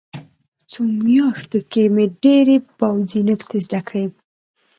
په څو میاشتو کې مې ډېرې پوځي نکتې زده کړې